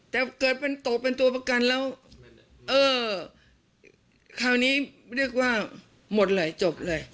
แต่เกิดเป็นตกเป็นตัวประกันแล้วเออคราวนี้เรียกว่าหมดหลายจบเลย